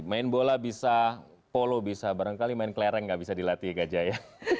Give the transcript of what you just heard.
main bola bisa polo bisa barangkali main kelereng gak bisa dilatih gajah ya